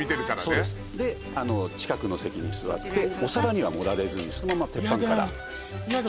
そうですで近くの席に座ってお皿には盛られずにそのまま鉄板からやだ